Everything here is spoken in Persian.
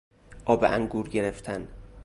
آب انگور گرفتن